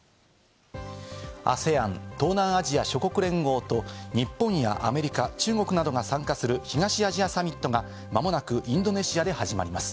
ＡＳＥＡＮ＝東南アジア諸国連合と日本やアメリカ、中国などが参加する東アジアサミットが、まもなくインドネシアで始まります。